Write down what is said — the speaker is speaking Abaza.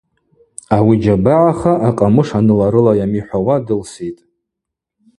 Ауи джьабагӏаха акъамыш Аныла-арыла йамихӏвауа дылситӏ.